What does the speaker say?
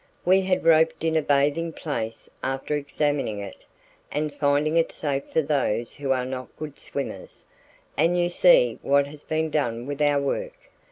"We had roped in a bathing place after examining it and finding it safe for those who are not good swimmers, and you see what has been done with our work.